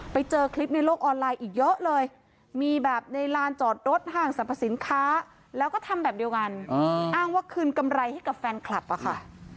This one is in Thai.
ไปเจอคลิปในโลกออนไลน์อีกเยอะเลยมีแบบในลานจอดรถห้างสรรพสินค้าแล้วก็ทำแบบเดียวกันอ้างว่าคืนกำไรให้กับแฟนคลับอะค่ะ